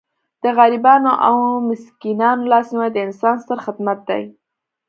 د غریبانو او مسکینانو لاسنیوی د انسانیت ستر خدمت دی.